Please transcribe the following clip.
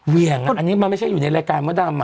เวียงอ่ะอันนี้มันไม่ใช่อยู่ในรายการมดรมอ่ะ